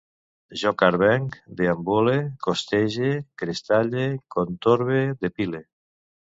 Jo carvenc, deambule, costege, crestalle, contorbe, depile